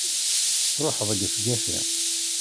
Truḥeḍ gefgafi!